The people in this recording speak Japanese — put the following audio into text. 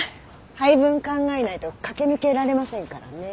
配分考えないと駆け抜けられませんからね。